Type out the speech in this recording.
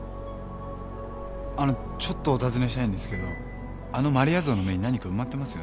あのちょっとお尋ねしたいんですけどあのマリア像の目に何か埋まってますよね？